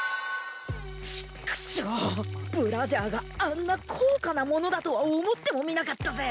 チックショーブラジャーがあんな高価なものだとは思ってもみなかったぜ。